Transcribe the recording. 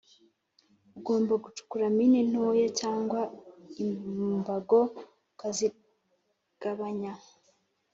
Ugomba gucukura mine ntoya cyangwa imbago ukazigabanya